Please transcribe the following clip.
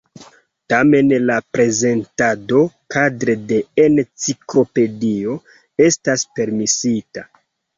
Tamen la prezentado kadre de enciklopedio estas permesita.